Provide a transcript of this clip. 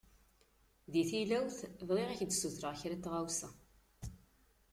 Di tilawt, bɣiɣ ad k-d-ssutreɣ kra n tɣawsa.